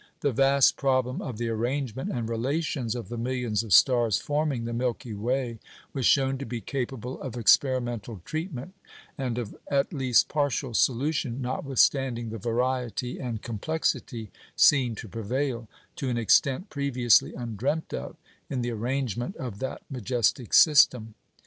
The vast problem of the arrangement and relations of the millions of stars forming the Milky Way was shown to be capable of experimental treatment, and of at least partial solution, notwithstanding the variety and complexity seen to prevail, to an extent previously undreamt of, in the arrangement of that majestic system.